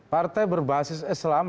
partai berbasis islam